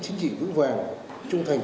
chính trị vững vàng trung thành